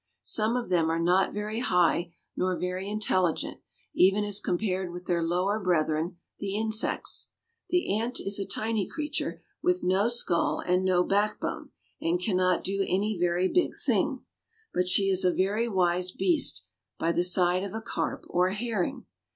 Some of them are not very high nor very intelligent, even as compared with their lower brethren, the insects. The ant is a tiny creature, with no skull and no backbone, and cannot do any very big thing. But she is a very wise beast by the side of a carp or a herring.